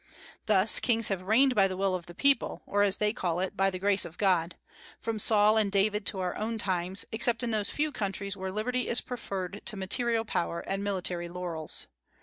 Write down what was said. Thus kings have reigned by the will of the people, or, as they call it, by the grace of God, from Saul and David to our own times, except in those few countries where liberty is preferred to material power and military laurels.